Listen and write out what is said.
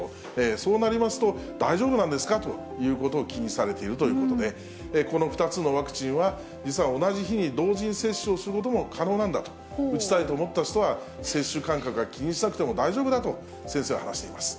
そうなりますと、大丈夫なんですかということを気にされているということで、この２つのワクチンは、実は同じ日に、同時に接種をすることも可能なんだと、打ちたいと思った人は接種間隔は気にしなくても大丈夫だと、先生は話しています。